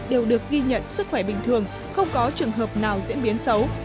đều được ghi nhận sức khỏe bình thường không có trường hợp nào diễn biến xấu